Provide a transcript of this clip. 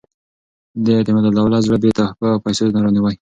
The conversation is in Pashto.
د اعتمادالدولة زړه یې په تحفو او پیسو رانیوی.